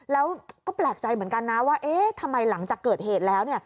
แล้วก็แปลกใจเหมือนกันนะว่าเอ๊ะทำไมหลังจากเกิดเหตุแล้ว